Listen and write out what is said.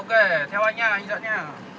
ok theo anh nha anh dẫn nha